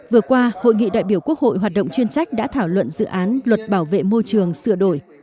vừa qua hội nghị đại biểu quốc hội hoạt động chuyên trách đã thảo luận dự án luật bảo vệ môi trường sửa đổi